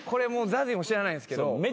ＺＡＺＹも知らないんすけど。